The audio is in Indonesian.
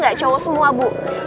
gak cowok semua bu yang tiga itu